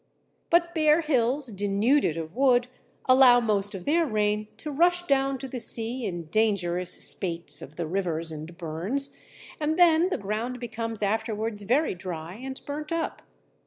But bare hills denuded of wood allow most of their rain to rush down to the sea in dangerous spates of the rivers and burns, and then the ground becomes afterwards very dry and burnt up.